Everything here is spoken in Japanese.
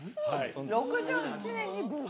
６８年にブーム？